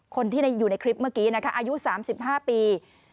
คนที่อยู่ในคลิปเมื่อกี้นะคะอายุ๓๕ปี